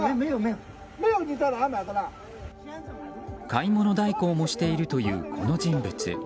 買い物代行もしているというこの人物。